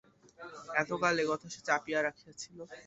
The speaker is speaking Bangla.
এতকাল একথা সে চাপিয়া রাখিয়াছিল?